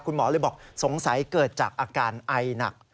คุณหมอเลยบอกสงสัยเกิดจากอาการไอหนัก